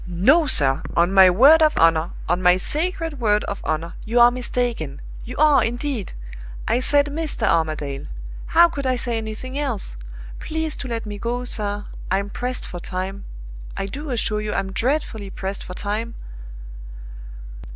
"No, sir on my word of honor, on my sacred word of honor, you are mistaken you are, indeed! I said Mr. Armadale how could I say anything else? Please to let me go, sir I'm pressed for time. I do assure you I'm dreadfully pressed for time!"